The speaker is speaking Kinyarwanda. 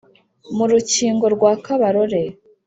mu rukingo rwa kabarore,